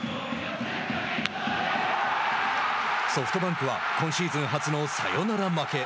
ソフトバンクは今シーズン初のサヨナラ負け。